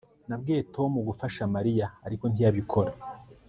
Nabwiye Tom gufasha Mariya ariko ntiyabikora